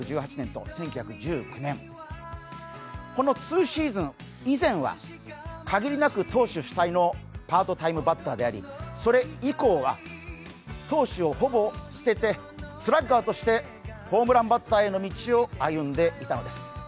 １９１８年と１９１９年、この２シーズン以前は限りなく投手主体のパートタイムバッターでありそれ以降は投手をほぼ捨てて、スラッガーとして、ホームランバッターへの道を歩んでいたのです。